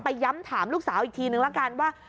ย้ำถามลูกสาวอีกทีนึงละกันว่า